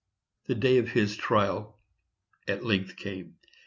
The day of his trial at length came.